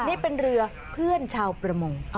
นี่เป็นเรือเพื่อนชาวประมง